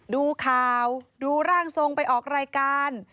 ดูข่าวดูร่างทรงไปออกรายการ